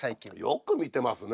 よく見てますね。